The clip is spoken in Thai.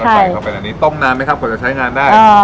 ใช่เขาใส่เข้าไปในนี้ต้มน้ำไหมครับก็จะใช้งานได้เอ่อ